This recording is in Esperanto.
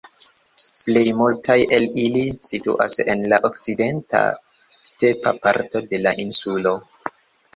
Plej multaj el ili situas en la okcidenta, stepa parto de la insulo.